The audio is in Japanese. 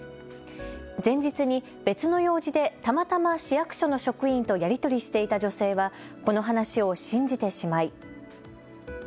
前日に別の用事でたまたま市役所の職員とやり取りしていた女性はこの話を信じてしまい。